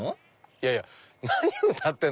いやいや「何歌ってんの」